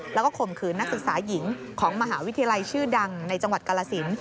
แล้วก็ข่มขืนนักศึกษาหญิงของมหาวิทยาลัยชื่อดังในจังหวัดกาลสิน